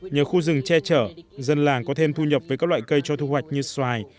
nhờ khu rừng che chở dân làng có thêm thu nhập với các loại cây cho thu hoạch như xoài